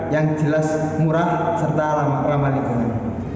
yang jelas murah serta ramah lingkungan